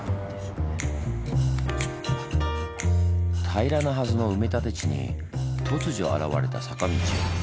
平らなはずの埋め立て地に突如現れた坂道。